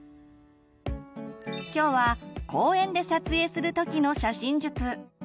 今日は公園で撮影する時の写真術。